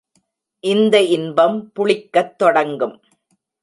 இந்த இன்பம் புளிக்கத் தொடங்கும்.